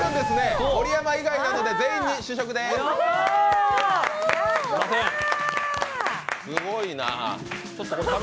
すごいな。